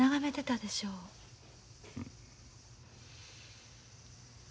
うん。